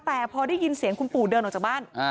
แต่พอได้ยินเสียงคุณปู่เดินออกจากบ้าน